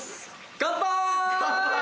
乾杯！